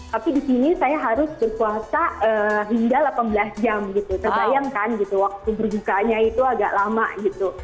tapi di sini saya harus berpuasa hingga delapan belas jam gitu terbayangkan gitu waktu berbukanya itu agak lama gitu